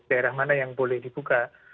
daerah mana yang boleh dibuka